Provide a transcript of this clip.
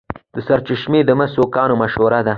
د سرچشمې د مسو کان مشهور دی.